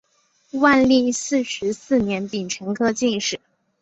万历四十四年丙辰科进士。